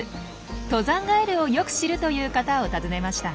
登山ガエルをよく知るという方を訪ねました。